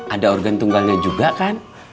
ada organ tunggalnya juga kan